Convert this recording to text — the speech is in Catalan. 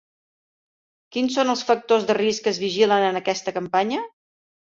Quins són els factors de risc que es vigilen en aquesta campanya?